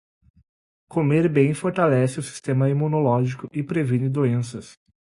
Comer bem fortalece o sistema imunológico e previne doenças.